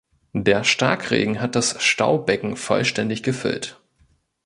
Der Starkregen hat das Staubecken vollständig gefüllt.